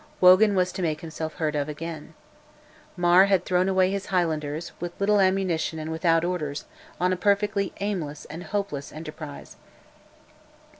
Wogan was to make himself heard of again. Mar had thrown away his Highlanders, with little ammunition and without orders, on a perfectly aimless and hopeless enterprise.